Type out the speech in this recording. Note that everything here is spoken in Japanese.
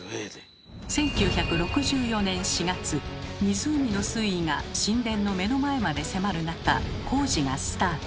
１９６４年４月湖の水位が神殿の目の前まで迫る中工事がスタート。